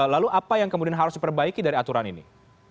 lalu apa yang kemudian harus diperbaiki dari aturan ini